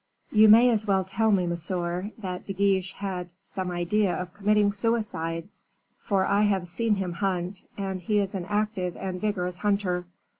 "You may as well tell me, monsieur, that De Guiche had some idea of committing suicide; for I have seen him hunt, and he is an active and vigorous hunter.